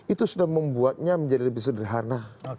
itu sudah membuatnya menjadi lebih sederhana